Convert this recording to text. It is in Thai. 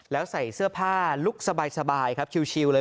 แล้วใส่เสื้อผ้าลุคสบายครับชิวเลย